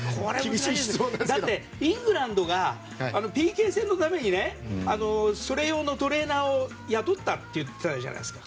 だってイングランドがＰＫ戦のためにそれ用のトレーナーを雇ったって言ってたじゃないですか。